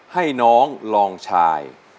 ให้น้องลองชาย